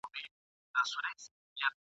ته وا خوشي په لمنو کي د غرو سوه ..